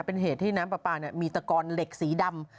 เป็นเหตุที่น้ำปลาปลามีตะกอนเหล็กสีดำ